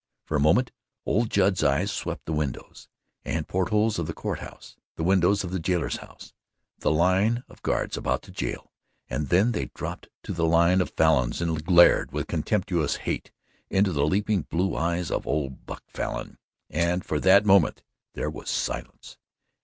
For a moment old Judd's eyes swept the windows and port holes of the Court House, the windows of the jailer's house, the line of guards about the jail, and then they dropped to the line of Falins and glared with contemptuous hate into the leaping blue eyes of old Buck Falin, and for that moment there was silence.